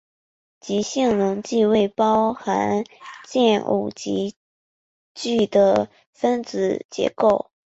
极性溶剂为包含键偶极矩的分子结构。